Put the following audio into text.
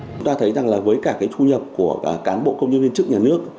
chúng ta thấy rằng là với cả cái thu nhập của cán bộ công nhân viên chức nhà nước